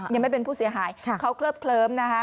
ยังไม่เป็นผู้เสียหายเขาเคลือบเคลือบไว้นะฮะ